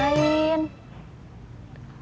lagi nunggu kamu